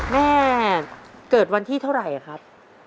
แม่เกิดวันที่เท่าไหร่ครับ